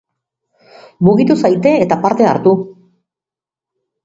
Mugitu zaite eta parte hartu!